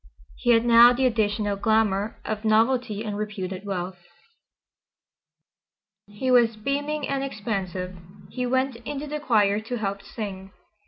He had now the additional glamour of novelty and reputed wealth. He was beaming and expansive. He went into the choir to help sing.